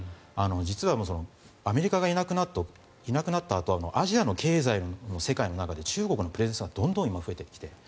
実はアメリカがいなくなったあとアジアの経済の世界の中で中国のプレゼンスがどんどん増えてきている。